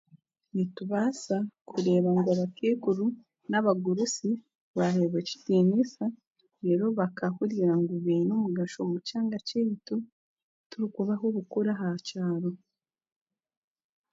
Nitubaasa kureeba ngu abakaikuru n'abagurusi, baheebwa ekitiinisa reero bakahurira ngu baine omugasho omu kyanga kyaitu turikubaha obukuru aha kyaro